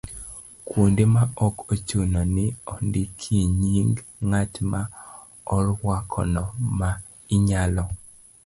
Kuonde ma ok ochuno ni ondikie nying' ng'at ma orwakono, ma inyalo